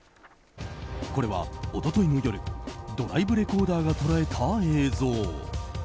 これは一昨日の夜ドライブレコーダーが捉えた映像。